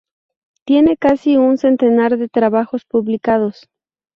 Tiene casi un centenar de trabajos publicados.